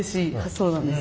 そうなんです。